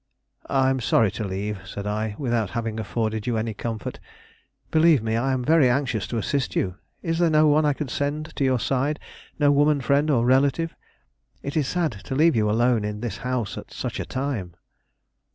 "I am sorry to leave," said I, "without having afforded you any comfort. Believe me; I am very anxious to assist you. Is there no one I can send to your side; no woman friend or relative? It is sad to leave you alone in this house at such a time."